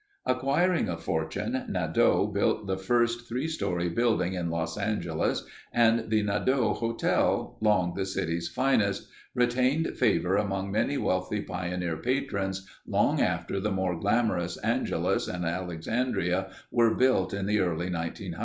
Acquiring a fortune, Nadeau built the first three story building in Los Angeles and the Nadeau Hotel, long the city's finest, retained favor among many wealthy pioneer patrons long after the more glamorous Angelus and Alexandria were built in the early 1900's.